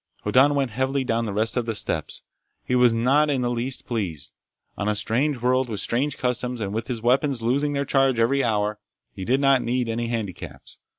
Hoddan went heavily down the rest of the steps. He was not in the least pleased. On a strange world, with strange customs, and with his weapons losing their charge every hour, he did not need any handicaps.